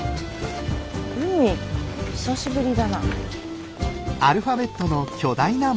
海久しぶりだな。